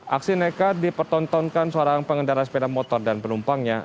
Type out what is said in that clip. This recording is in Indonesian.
aksi nekat dipertontonkan seorang pengendara sepeda motor dan penumpangnya